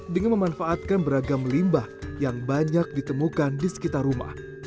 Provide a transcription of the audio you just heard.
dengan memanfaatkan beragam limbah yang banyak ditemukan di sekitar rumah